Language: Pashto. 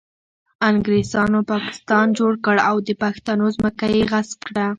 انګریزانو پاکستان جوړ کړ او د پښتنو ځمکه یې غصب کړه